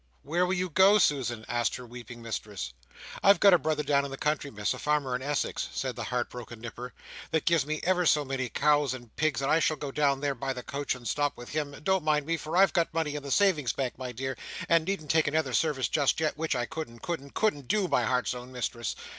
"Where will you go, Susan?" asked her weeping mistress. "I've got a brother down in the country Miss—a farmer in Essex," said the heart broken Nipper, "that keeps ever so many co o ows and pigs and I shall go down there by the coach and sto op with him, and don't mind me, for I've got money in the Savings Banks my dear, and needn't take another service just yet, which I couldn't, couldn't, couldn't do, my heart's own mistress!"